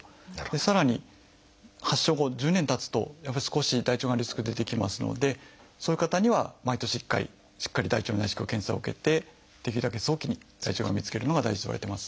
さらに発症後１０年たつとやっぱり少し大腸がんリスク出てきますのでそういう方には毎年１回しっかり大腸内視鏡検査を受けてできるだけ早期に大腸がんを見つけるのが大事といわれています。